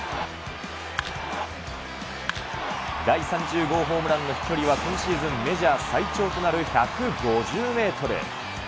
第３０号ホームランの飛距離は、今シーズンメジャー最長となる１５０メートル。